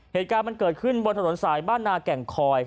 เหตุการณ์มันเกิดขึ้นบนถนนสายบ้านนาแก่งคอย